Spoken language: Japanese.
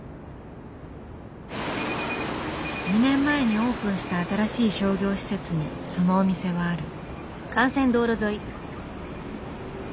２年前にオープンした新しい商業施設にそのお店はある。